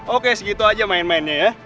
oke segitu aja main mainnya ya